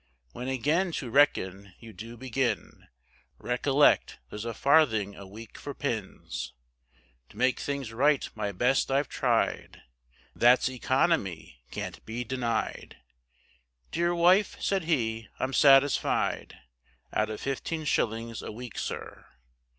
When again to reckon you do begin, Recollect there's a farthing a week for pins, To make things right my best I've tried, That's economy can't be denied. Dear wife, said he, I'm satisfied, Out of fifteen shillings a week, sir.